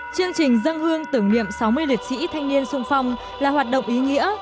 chương trình dân hương tưởng niệm sáu mươi lệ sĩ thanh niên xuân phong là hoạt động ý nghĩa